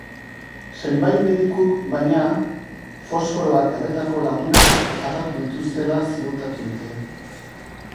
Zenbait medikuk, baina, fosforoak erretako lagunak artatu dituztela ziurtatu dute.